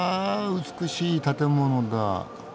美しい建物だ。